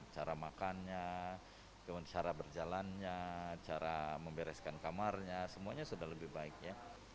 cara makannya cara berjalannya cara membereskan kamarnya semuanya sudah lebih baik ya